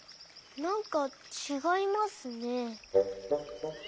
なんかちがいますね。